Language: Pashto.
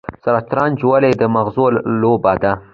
شطرنج ولې د مغز لوبه ده؟